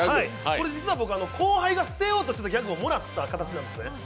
これ実は僕、後輩が伏せようとしたギャグをもらった形なんですね。